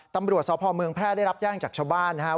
ตำรวจสพเมืองแพร่ได้รับแจ้งจากชาวบ้านนะครับ